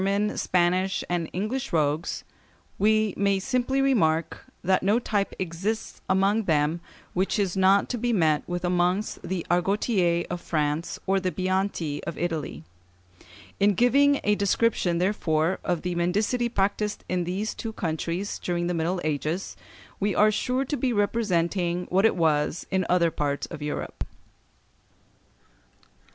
382 and 383), Spanish, and English rogues, we may simply remark that no type exists among them which is not to be met with amongst the Argotiers of France or the Bianti of Italy. In giving a description, therefore, of the mendicity practised in these two countries during the Middle Ages, we are sure to be representing what it was in other parts of Europe.